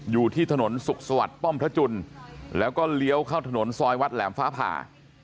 อยู่ที่ถนนสุขสวัสดิ์ป้อมพระจุลแล้วก็เลี้ยวเข้าถนนซอยวัดแหลมฟ้าผ่า